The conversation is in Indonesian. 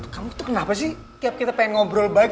kamu tuh kenapa sih tiap kita pengen ngobrol baik